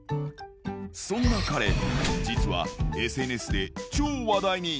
そんな彼、実はＳＮＳで超話題に！